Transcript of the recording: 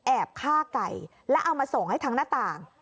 ฆ่าไก่แล้วเอามาส่งให้ทางหน้าต่าง